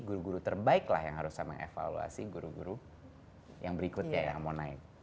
guru guru terbaik lah yang harusnya mengevaluasi guru guru yang berikutnya yang mau naik